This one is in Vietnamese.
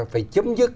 phải chấm dứt